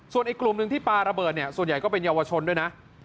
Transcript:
ส่วนอีกกลุ่มหนึ่งที่ปลาระเบิดเนี่ยส่วนใหญ่ก็เป็นเยาวชนด้วยนะ